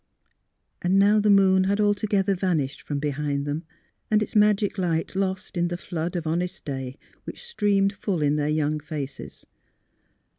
" And now the moon had altogether vanished from behind them, and its magic light lost in the flood of honest day which streamed full in their young faces.